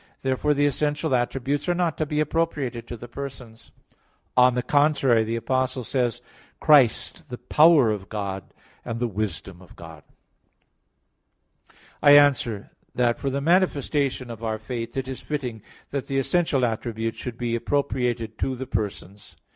Therefore the essential attributes are not to be appropriated to the persons. On the contrary, the Apostle says: "Christ the power of God and the wisdom of God" (1 Cor. 1:24). I answer that, For the manifestation of our faith it is fitting that the essential attributes should be appropriated to the persons.